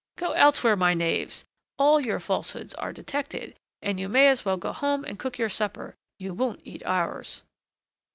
Go elsewhere, my knaves! all your falsehoods are detected, and you may as well go home and cook your supper. You won't eat ours."